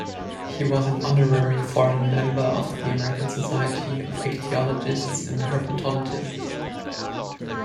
He was an honorary foreign member of the American Society of Ichthyologists and Herpetologists.